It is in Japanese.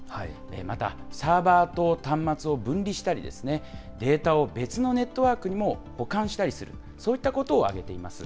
また、サーバーと端末を分離したり、データを別のネットワークにも保管したりする、そういったことを挙げています。